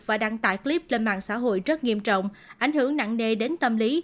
và đăng tải clip lên mạng xã hội rất nghiêm trọng ảnh hưởng nặng nề đến tâm lý